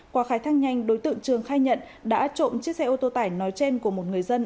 qua khai thác nhanh đối tượng trường khai nhận đã trộm chiếc xe ô tô tải nói trên của một người dân